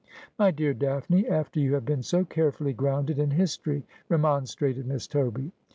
' My dear Daphne, after you have been so carefully grounded in history, remonstrated Miss Toby.